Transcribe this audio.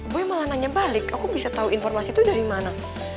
gue malah nanya balik aku bisa tahu informasi itu dari mana